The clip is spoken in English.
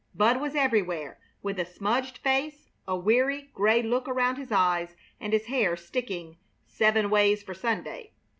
Bud was everywhere, with a smudged face, a weary, gray look around his eyes, and his hair sticking "seven ways for Sunday."